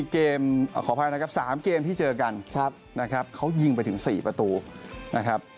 เกมขออภัยนะครับ๓เกมที่เจอกันนะครับเขายิงไปถึง๔ประตูนะครับ